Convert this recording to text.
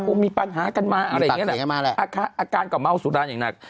มีปัญหากันมาอะไรอย่างนี้แหละอาการก็เมาสุรานอย่างหนัก